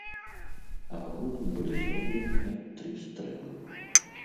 Агулам былі зробленыя тры стрэлы.